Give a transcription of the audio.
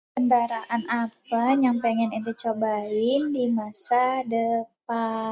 Kendaraan apè nyang pengen enté cobain di masa depan.